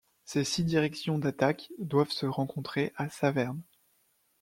Ces six directions d'attaques doivent se rencontrer à Saverne.